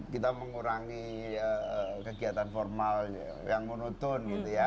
kita mengurangi kegiatan formal yang monoton gitu ya